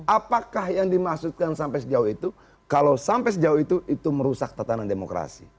apakah yang dimaksudkan sampai sejauh itu kalau sampai sejauh itu itu merusak tatanan demokrasi